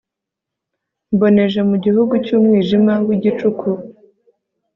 mboneje mu gihugu cy'umwijima w'igicuku